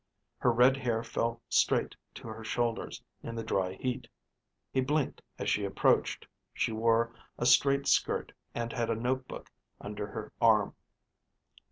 Her red hair fell straight to her shoulders in the dry heat. He blinked as she approached. She wore a straight skirt and had a notebook under her arm.